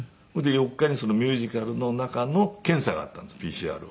それで４日にミュージカルの中の検査があったんですＰＣＲ。